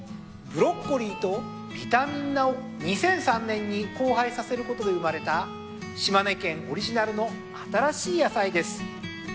ブロッコリーとビタミン菜を２００３年に交配させることで生まれた島根県オリジナルの新しい野菜です。